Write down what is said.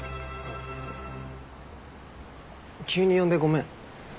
急に呼んでごめん。